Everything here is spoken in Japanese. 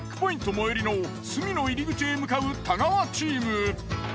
最寄りの住野入口へ向かう太川チーム。